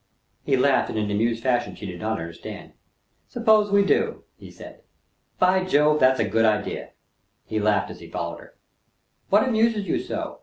He laughed in an amused fashion she did not understand. "Suppose we do," he said. "By Jove, that's a good idea!" He laughed as he followed her. "What amuses you so?"